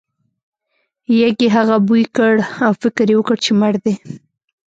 یږې هغه بوی کړ او فکر یې وکړ چې مړ دی.